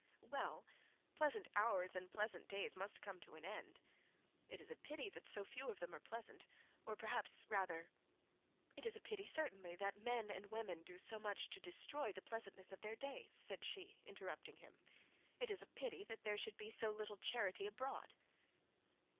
'Well, pleasant hours and pleasant days must come to an end. It is a pity that so few of them are pleasant; or perhaps rather ' 'It is a pity, certainly, that men and women do so much to destroy the pleasantness of their days,' said she, interrupting him. 'It is a pity that there should be so little charity abroad.'